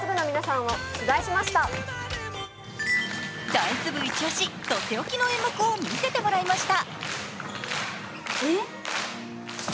ダンス部イチオシ、とっておきの演目を見せてもらいました。